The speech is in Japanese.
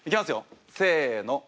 せの。